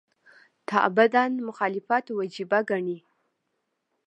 تعبداً مخالفت وجیبه ګڼي.